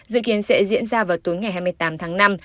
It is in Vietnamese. dự kiến sẽ diễn ra vào tối ngày hai mươi tám tháng năm